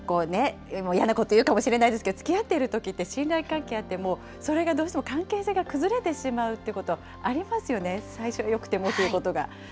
ただ、嫌なことを言うかもしれないですけど、つきあってるときって信頼関係あっても、それがどうしても関係性が崩れてしまうってこと、ありますよね。